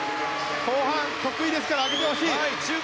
後半、得意ですから上げてほしい。